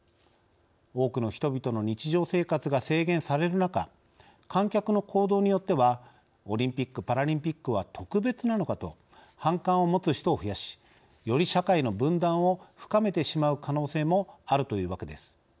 多くの人々の日常生活が制限される中観客の行動によってはオリンピック・パラリンピックは特別なのかと反感を持つ人を増やしより社会の分断を深めてしまう可能性もあるというわけです。